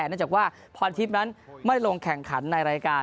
เนื่องจากว่าพรทิพย์นั้นไม่ลงแข่งขันในรายการ